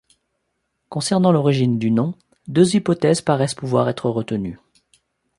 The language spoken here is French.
Concernant l'origine du nom, deux hypothèses paraissent pouvoir être retenues.